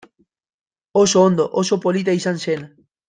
Oso ondo, oso polita izan zen.